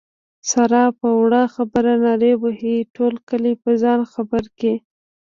ساره په وړه خبره نارې وهي ټول کلی په ځان خبر کړي.